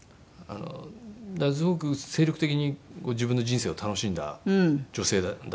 すごく精力的に自分の人生を楽しんだ女性だったんですね。